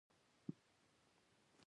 هغه ترې يوازې د يوې وسيلې کار اخيست.